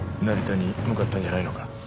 成田に向かったんじゃないのか？